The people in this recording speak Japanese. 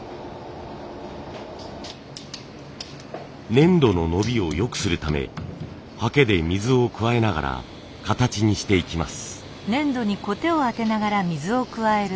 粘土の延びをよくするためはけで水を加えながら形にしていきます。